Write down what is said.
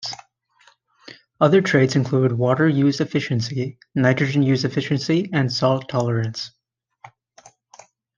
Other traits include water use efficiency, Nitrogen use efficiency and salt tolerance.